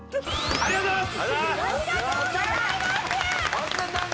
ありがとうございます！